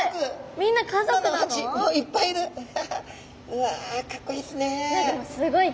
わあかっこいいですね。